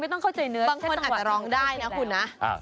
บางคนอาจจะร้องได้นะขุน